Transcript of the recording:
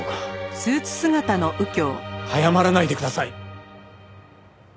早まらないでください！